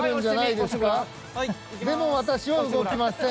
でも私は動きません。